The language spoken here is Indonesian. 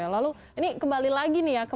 lalu ini kembali lagi nih ya